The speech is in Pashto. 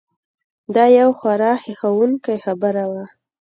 دا یو خورا هیښوونکې خبره وه.